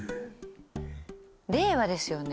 令和ですよね？